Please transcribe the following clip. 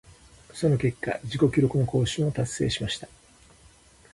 その結果、自己記録の更新を達成しました。